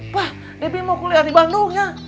wah debbie mau kuliah di bandung ya